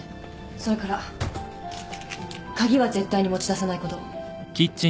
それから鍵は絶対に持ち出さないこと。